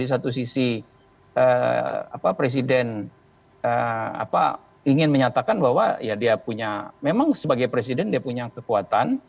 di satu sisi presiden ingin menyatakan bahwa ya dia punya memang sebagai presiden dia punya kekuatan